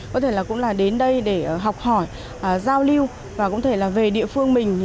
có thể cũng là đến đây để học hỏi giao lưu và cũng thể là về địa phương mình